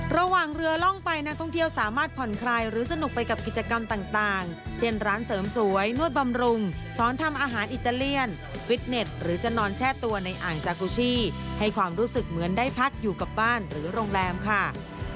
ระหว่างเรือล่องไปนักท่องเที่ยวสามารถผ่อนคลายหรือสนุกไปกับกิจกรรมต่างเช่นร้านเสริมสวยนวดบำรุงสอนทำอาหารอิตาเลียนฟิตเน็ตหรือจะนอนแช่ตัวในอ่างจากกูชีให้ความรู้สึกเหมือนได้พักอยู่กับบ้านหรือโรงแรมค่ะ